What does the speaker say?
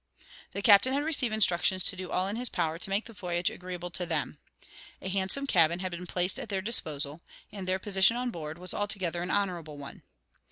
The captain had received instructions to do all in his power to make the voyage agreeable to them. A handsome cabin had been placed at their disposal, and their position on board was altogether an honorable one.